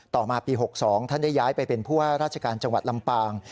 ต่อมาปี๖๒ท่านได้ย้ายไปเป็นผู้ว่าราชการจังหวัดลำปาง